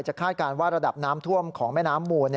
คาดการณ์ว่าระดับน้ำท่วมของแม่น้ำมูล